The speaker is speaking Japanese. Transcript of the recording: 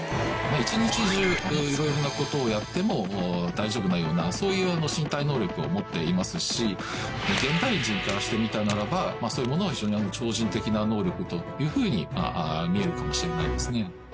一日中色々な事をやっても大丈夫なようなそういう身体能力を持っていますし現代人からしてみたならばそういうものは非常に超人的な能力というふうに見えるかもしれないですね。